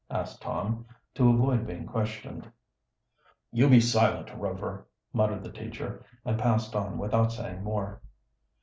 asked Tom, to avoid being questioned. "You be silent Rover," muttered the teacher, and passed on without saying more.